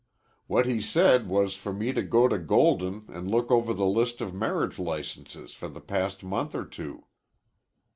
What he said was for me to go to Golden an' look over the list of marriage licenses for the past month or two."